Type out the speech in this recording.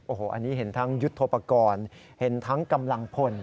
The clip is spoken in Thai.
โอ้โหอันนี้เห็นทั้งยุทธโปรกรณ์เห็นทั้งกำลังพล